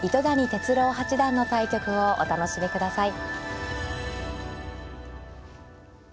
哲郎八段の対局をお楽しみください。